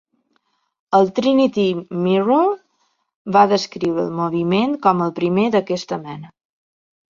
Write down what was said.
El Trinity Mirror va descriure el moviment com el primer d'aquesta mena.